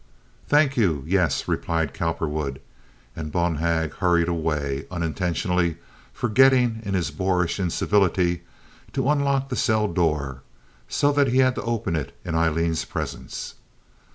"Thank you, yes," replied Cowperwood; and Bonhag hurried away, unintentionally forgetting, in his boorish incivility, to unlock the cell door, so that he had to open it in Aileen's presence.